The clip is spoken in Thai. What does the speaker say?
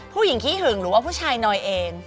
ผู้หญิงขี้หึงหรือผู้ชายหนอยเอง